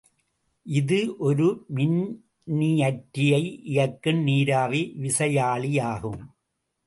இது ஒரு மின்னியற்றியை இயக்கும் நீராவி விசையாழி ஆகும்.